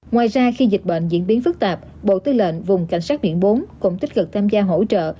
ngoài ra khi dịch bệnh diễn biến phức tạp bộ tư lệnh vùng cảnh sát biển bốn cũng tích cực tham gia hỗ trợ